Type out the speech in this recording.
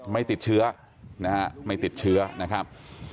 ไม่ติดเชื้อนะฮะไม่ติดเชื้อนะครับ